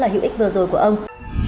đăng ký kênh để ủng hộ kênh của mình nhé